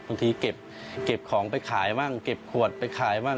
บางทีเก็บของไปขายบ้างเก็บขวดไปขายบ้าง